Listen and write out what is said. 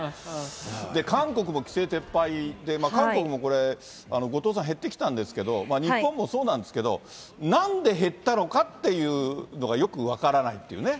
韓国も規制撤廃で、韓国もこれ、後藤さん、減ってきたんですけど、日本もそうなんですけど、なんで減ったのかっていうのがよく分からないというね。